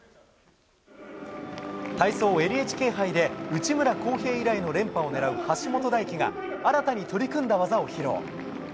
体操ＮＨＫ杯で、内村航平以来の連覇を狙う橋本大輝が、新たに取り組んだ技を披露。